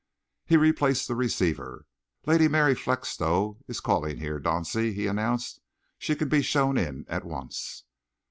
He replaced the receiver. "Lady Mary Felixstowe is calling here, Dauncey," he announced. "She can be shown in at once."